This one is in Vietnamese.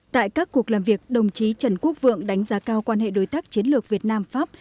tại các cuộc làm việc đồng chí trần quốc vượng đánh giá cao quan hệ đối tác chiến lược việt nam pháp